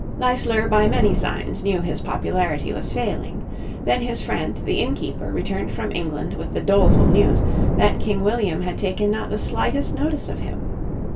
Leisler by many signs knew his popularity was failing. Then his friend, the innkeeper, returned from England with the doleful news that King William had taken not the slightest notice of him.